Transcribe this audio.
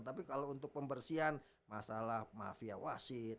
tapi kalau untuk pembersihan masalah mafia wasit